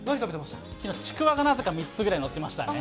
きのう、ちくわがなぜか３つぐらい載ってましたね。